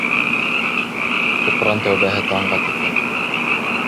Туҡран тәүбәһе таңға тиклем.